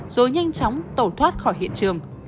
rồi nhanh chóng tẩu thoát khỏi hiện trường